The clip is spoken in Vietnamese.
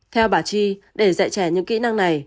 theo bà chi để dạy trẻ những kỹ năng này